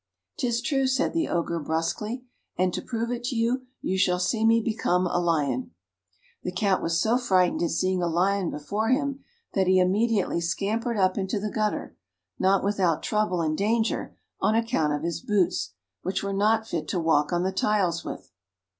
"'Tis true," said the Ogre, brusquely, "and to prove it to you, you shall see me become a lion." The Cat was so frightened at seeing a lion before him, that he immediately scampered up into the gutter, not without trouble and danger, on account of his boots, which were not fit to walk on the tiles with.